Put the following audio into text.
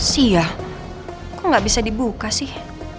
sia kok gak bisa dibuka sih